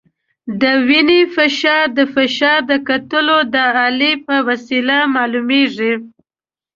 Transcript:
د وینې فشار د فشار د کتلو د الې په وسیله معلومېږي.